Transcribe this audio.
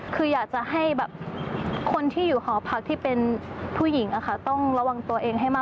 คืออยากจะให้แบบคนที่อยู่หอพักที่เป็นผู้หญิงอะค่ะต้องระวังตัวเองให้มาก